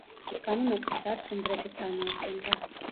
გამონაკლისს არც უნგრეთი წარმოადგენდა.